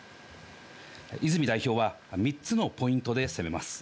泉代表は３つのポイントで攻めます。